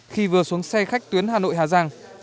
khi vừa xuống xe khách tuyến hà nội hà giang